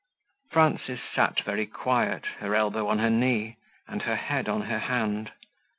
Frances sat very quiet, her elbow on her knee, and her head on her hand.